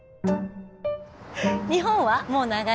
日本はもう長い？